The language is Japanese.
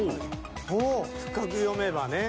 深く読めばね。